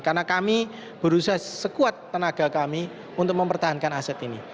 karena kami berusaha sekuat tenaga kami untuk mempertahankan aset ini